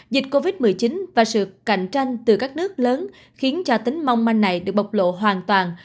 dịch covid một mươi chín và sự cạnh tranh từ các nước lớn khiến cho tính mong manh này được bộc lộ hoàn toàn